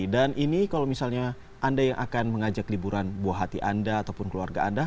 dan ini kalau misalnya anda yang akan mengajak liburan buah hati anda ataupun keluarga anda